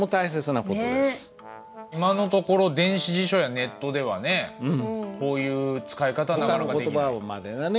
今のところ電子辞書やネットではねこういう使い方ができない。